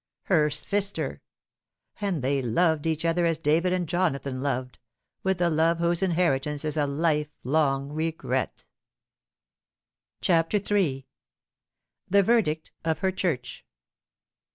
Her sister ! And they loved each other as David and Jonathan loved, with the love whose inherit ance is a life long regret." CHAPTER IIL THE VERDICT OP HER CHURCH.